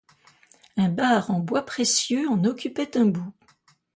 Un bar en bois précieux en occupait un bout.